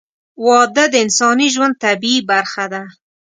• واده د انساني ژوند طبیعي برخه ده.